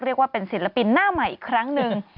เรียกว่าเป็นศิลปินหน้าใหม่อีกครั้งหนึ่ง